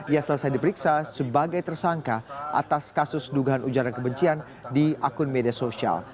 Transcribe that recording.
ia selesai diperiksa sebagai tersangka atas kasus dugaan ujaran kebencian di akun media sosial